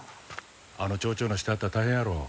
あの町長の下やったら大変やろ。